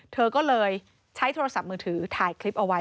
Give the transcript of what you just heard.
เธอก็เลยใช้โทรศัพท์มือถือถ่ายคลิปเอาไว้